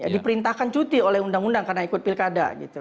diperintahkan cuti oleh undang undang karena ikut pilkada gitu